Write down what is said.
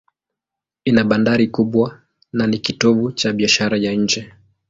Ina bandari kubwa na ni kitovu cha biashara ya nje.